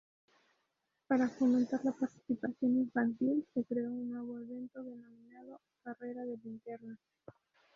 Para fomentar la participación infantil, se creó un nuevo evento denominado "carrera de linternas".